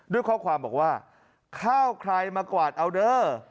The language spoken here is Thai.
ด้วยข้อความบอกว่าข้าวใครมากวาดเอาเด้อ